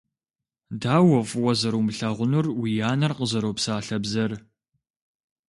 Дауэ фӀыуэ зэрумылъагъунур уи анэр къызэропсалъэ бзэр.